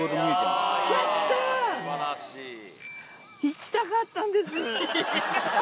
行きたかったんです！